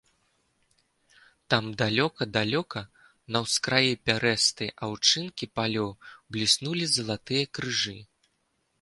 Там, далёка-далёка, на ўскраі пярэстай аўчынкі палёў бліснулі залатыя крыжы.